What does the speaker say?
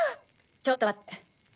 ちょっと待って。